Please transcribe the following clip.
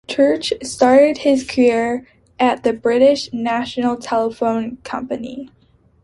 Church started his career at the British National Telephone Company.